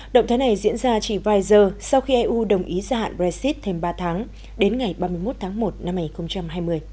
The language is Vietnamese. động thái này diễn ra chỉ vài giờ sau khi eu đồng ý gia hạn brexit thêm ba tháng đến ngày ba mươi một tháng một năm hai nghìn hai mươi